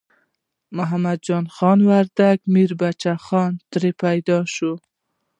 محمد جان خان وردګ او میربچه خان ترې پیدا شو.